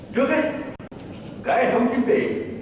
trước hết cái thông chính tỉ